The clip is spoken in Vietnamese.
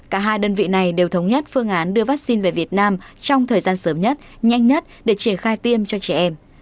cả hai đơn vị này đều thống nhất phương án đưa vaccine về việt nam trong thời gian sớm nhất nhanh nhất để triển khai tiêm cho trẻ em